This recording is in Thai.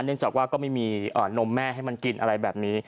เนื่องจากว่าก็ไม่มีนมแม่ให้มันกินอะไรแบบนี้